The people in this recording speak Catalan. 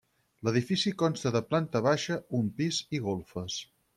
L'edifici consta de planta baixa, un pis i golfes.